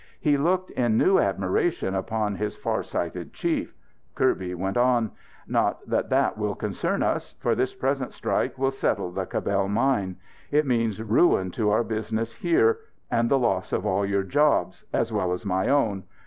He looked in new admiration upon his farsighted chief. Kirby went on: "Not that that will concern us. For this present strike will settle the Cabell mine. It means ruin to our business here, and the loss of all your jobs, as well as my own.